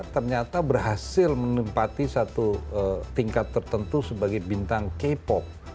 ternyata berhasil menempati satu tingkat tertentu sebagai bintang k pop